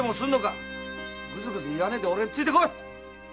グズグズ言わねえでおれについてこい！